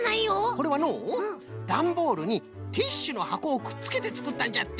これはのうだんボールにティッシュのはこをくっつけてつくったんじゃって。